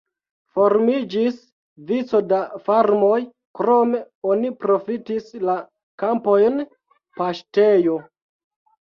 Formiĝis vico da farmoj, krome oni profitis la kampojn paŝtejo.